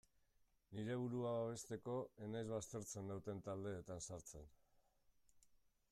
Nire burua babesteko ez naiz baztertzen nauten taldeetan sartzen.